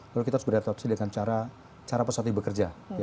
lalu kita harus beradaptasi dengan cara pesawat ini bekerja